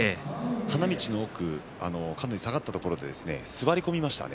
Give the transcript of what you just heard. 花道の奥、下がったところで座り込みましたね。